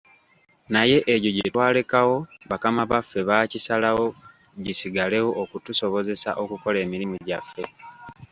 Naye egyo gye twalekawo bakama baffe baakisalawo gisigalewo okutusobozesa okukola emirimu gyaffe.